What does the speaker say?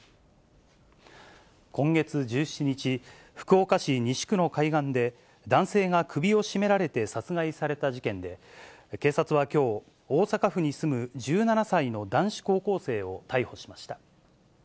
今月１７日、福岡市西区の海岸で、男性が首を絞められて殺害された事件で、警察はきょう、大阪府に住む１７歳の男子高校生を逮捕しました。